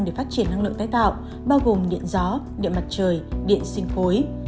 để phát triển năng lượng tái tạo bao gồm điện gió điện mặt trời điện sinh khối